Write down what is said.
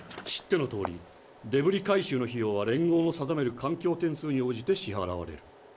知ってのとおりデブリ回収の費用は連合の定める環境点数に応じて支はらわれる。